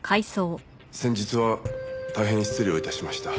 「先日は大変失礼をいたしました」